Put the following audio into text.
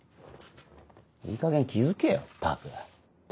いいかげん気付けよったく。